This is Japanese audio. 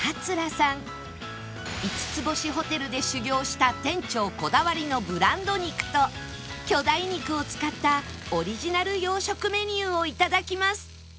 ５つ星ホテルで修業した店長こだわりのブランド肉と巨大肉を使ったオリジナル洋食メニューをいただきます